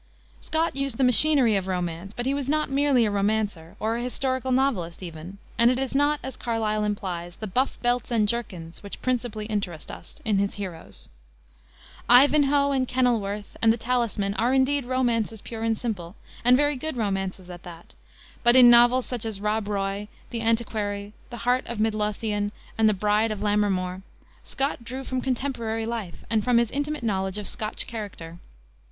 Scott used the machinery of romance, but he was not merely a romancer, or a historical novelist even, and it is not, as Carlyle implies, the buff belts and jerkins which principally interest us in his heroes. Ivanhoe and Kenilworth and the Talisman are, indeed, romances pure and simple, and very good romances at that. But, in novels such as Rob Roy, the Antiquary, the Heart of Midlothian, and the Bride of Lammermoor, Scott drew from contemporary life, and from his intimate knowledge of Scotch character.